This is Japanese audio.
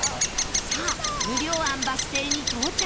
さあ無料庵バス停に到着